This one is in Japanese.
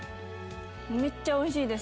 めっちゃおいしいです。